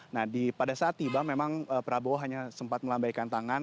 nah pada saat tiba memang prabowo hanya sempat melambaikan tangan